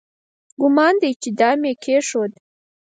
ګومان دی چې دام یې کېښود.